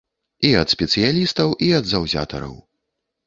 І ад спецыялістаў, і ад заўзятараў.